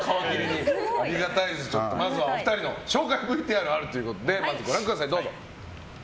まずはお二人の紹介ＶＴＲがあるのでご覧ください。